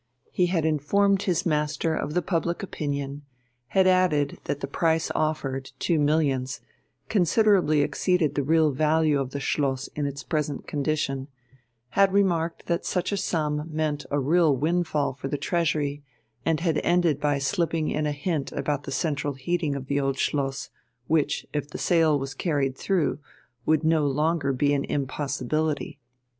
He had informed his master of the public opinion, had added that the price offered, two millions, considerably exceeded the real value of the Schloss in its present condition, had remarked that such a sum meant a real windfall for the Treasury, and had ended by slipping in a hint about the central heating of the Old Schloss, which, if the sale was carried through, would no longer be an impossibility.